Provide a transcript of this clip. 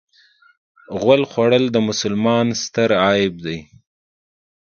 غول خوړل د مسلمان ستر عیب دی.